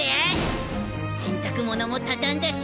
洗濯物もたたんだし。